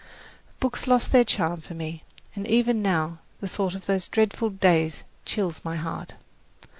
Books lost their charm for me, and even now the thought of those dreadful days chills my heart.